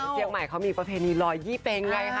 เชียงใหม่เขามีภาพเพลง๑๒๐เพลงไงค่ะ